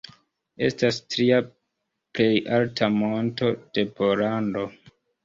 Estas tria plej alta monto de Pollando.